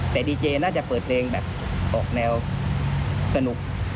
แต่ดีเจน่าจะเปิดเพลงแบบออกแนวสนุก